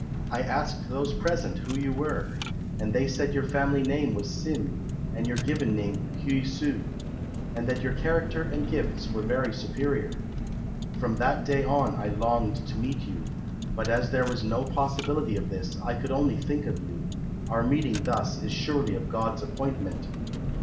I asked those present who you were, and they said your family name was Sim and your given name Heui su, and that your character and gifts were very superior. From that day on I longed to meet you, but as there was no possibility of this I could only think of you. Our meeting thus is surely of God's appointment.'